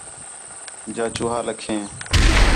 جا چوہا لَکھیں